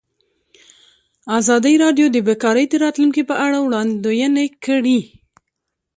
ازادي راډیو د بیکاري د راتلونکې په اړه وړاندوینې کړې.